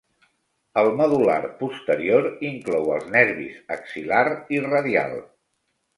El medul·lar posterior inclou els nervis axil·lar i radial.